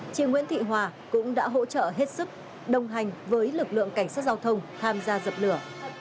chị nguyễn thị hòa cũng đã hỗ trợ hết sức đồng hành với lực lượng cảnh sát giao thông tham gia dập lửa